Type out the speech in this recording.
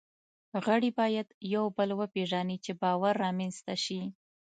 غړي باید یو بل وپېژني، چې باور رامنځ ته شي.